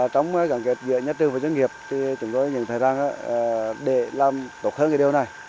trong gắn kết giữa nhà trường và doanh nghiệp chúng tôi nhìn thấy rằng để làm tốt hơn điều này